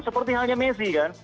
seperti halnya messi kan